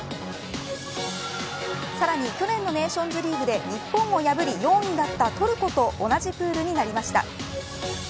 さらに去年のネーションズリーグで日本を破り４位だったトルコと同じプールになりました。